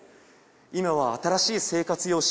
今は新しい生活様式。